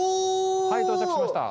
はい到着しました。